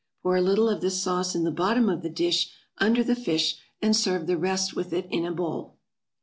Pour a little of this sauce in the bottom of the dish under the fish, and serve the rest with it in a bowl.